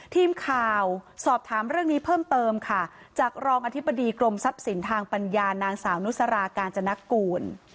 ทีมข่าวสอบถามเรื่องนี้เพิ่มเติมค่ะจากรองอธิบดีกรมทรัพย์สินทางปัญญานางสาวนุสรากาญจนกูล